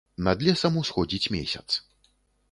Над лесам усходзіць месяц.